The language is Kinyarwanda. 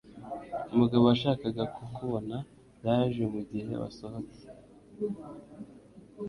Umugabo washakaga kukubona yaje mugihe wasohotse.